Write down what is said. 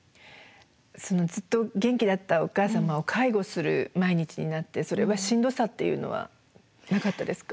そのずっと元気だったお母様を介護する毎日になってそれはしんどさっていうのはなかったですか？